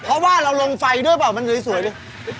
เพราะว่าเราลงไฟด้วยเปล่ามันสวยเลย